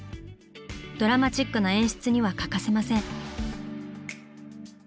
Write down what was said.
ドラマチックな演出には欠かせません。